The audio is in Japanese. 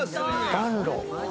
暖炉。